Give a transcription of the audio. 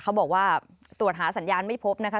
เขาบอกว่าตรวจหาสัญญาณไม่พบนะคะ